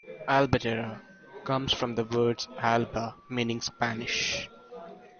Albatera comes from the words Alba, meaning Spanish.